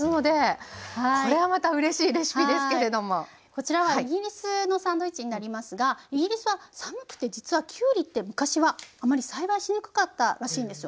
こちらはイギリスのサンドイッチになりますがイギリスは寒くて実はきゅうりって昔はあまり栽培しにくかったらしいんですよね。